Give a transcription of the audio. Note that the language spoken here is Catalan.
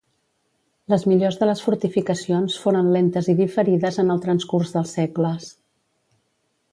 Les millores de les fortificacions foren lentes i diferides en el transcurs dels segles.